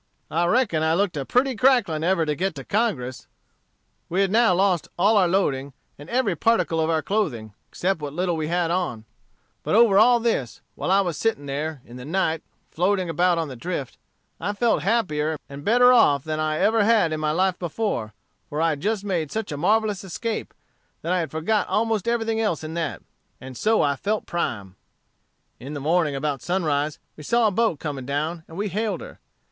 I reckon I looked like a pretty cracklin ever to get to Congress! "We had now lost all our loading, and every particle of our clothing, except what little we had on; but over all this, while I was sitting there, in the night, floating about on the drift, I felt happier and better off than I ever had in my life before, for I had just made such a marvellous escape, that I had forgot almost everything else in that; and so I felt prime. "In the morning about sunrise, we saw a boat coming down, and we hailed her.